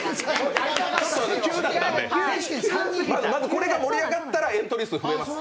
これが盛り上がったら、エントリー数増えます。